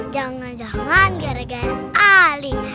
jangan jangan gara gara yang ali